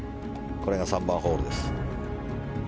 これが３番ホールです。